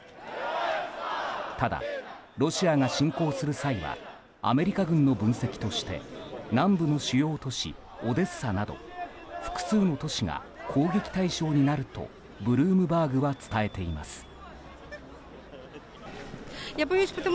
ただ、ロシアが侵攻する際はアメリカ軍の分析として南部の主要都市オデッサなど複数の都市が攻撃対象になるとブルームバーグは伝えています。